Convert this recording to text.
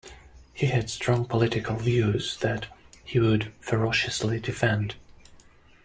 He had strong political views that he would ferociously defend.